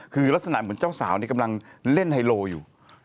คือลักษณะเหมือนเจ้าสาวกำลังเล่นไฮโลอยู่